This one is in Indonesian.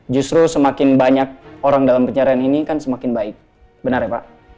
justru semakin banyak orang dalam pencarian ini kan semakin baik benar ya pak